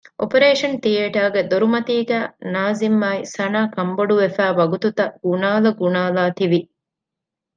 އޮޕަރޭޝަން ތިއޭޓަރގެ ދޮރުމަތީގައި ނާޒިމްއާއި ސަނާ ކަންބޮޑުވެފައި ވަގުތުތައް ގުނާލަ ގުނާލާ ތިވި